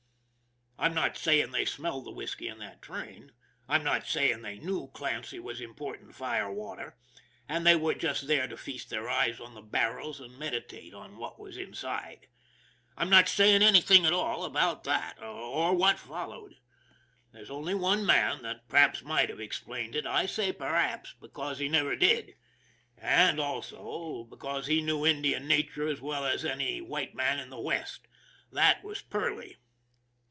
I'm not saying they smelled the whisky in that train. I'm not saying they knew Clancy was importing fire water, and they were just there to feast their eyes on the barrels and meditate on what was inside. I'm not saying anything at all about that, or what followed. There's only one man that perhaps might have ex plained it I say " perhaps " because he never did ; and also, because he knew Indian nature as well as any white man in the West. That was Perley.